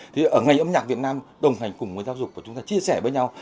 thì ở ngành âm nhạc việt nam đồng hành cùng với giáo dục của chúng ta chia sẻ với nhau